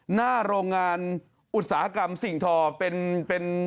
หน้าโรงงานอุตสาหกรรมสิ่งทอเป็นเป็น